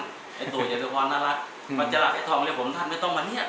ไอ้ตั๋วยักษณ์ก็พอน่ารักมันจะหลักไอ้ทองเรียกผมท่านไม่ต้องมาเนียด